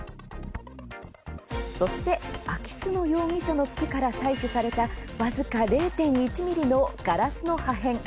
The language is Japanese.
そして、空き巣の容疑者の服から採取された僅か０．１ｍｍのガラスの破片。